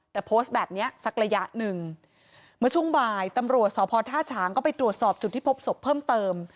แต่โพสต์แบบนี้สักระยะหนึ่งเมื่อช่วงบ่ายตำรวจสพท่าฉางก็ไปตรวจสอบจุดที่พบศพเพิ่มเติม